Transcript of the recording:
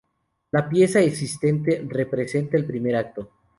La pieza existente representa el primer acto.